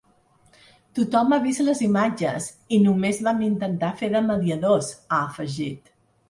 Tothom ha vist les imatges, i només vam intentar fer de mediadors, ha afegit.